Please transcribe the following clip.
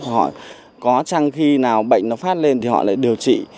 họ có chăng khi nào bệnh nó phát lên thì họ lại điều trị